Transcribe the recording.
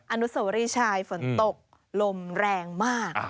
อนุสวรีชายฝนตกลมแรงมาก